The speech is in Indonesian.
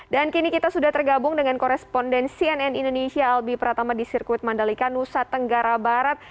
dan kini kita sudah tergabung dengan korespondensi nn indonesia albi pratama di sirkuit mandalika nusa tenggara barat